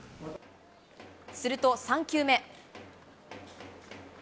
すると、３球目。